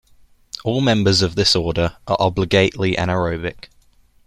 All members of this order are obligately anaerobic.